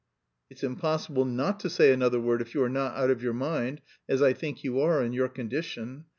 "It's impossible not to say another word, if you are not out of your mind, as I think you are in your condition.